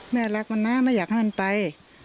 แม่รักมันนะไม่อยากให้มันไป